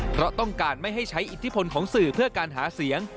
เพราะต้องการไม่ให้ใช้อิทธิพลของสื่อเพื่อการหาเสียง